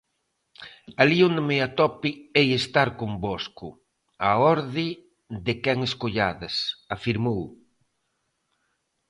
Alí onde me atope hei estar convosco, á orde de quen escollades, afirmou.